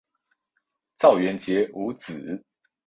赵元杰无子。